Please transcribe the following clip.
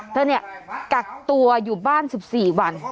เธอเนี่ยกักตัวอยู่บ้าน๑๔วัน